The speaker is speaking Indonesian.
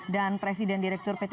dan presiden dprd dki jakarta m sanusi